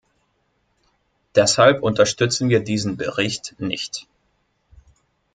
Deshalb unterstützen wir diesen Bericht nicht.